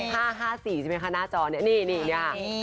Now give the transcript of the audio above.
๕๔ใช่ไหมคะหน้าจอเนี่ยนี่